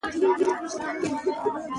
پسه د افغانستان د چاپیریال د مدیریت لپاره دي.